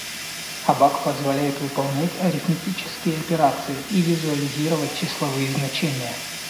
Абак позволяет выполнять арифметические операции и визуализировать числовые значения.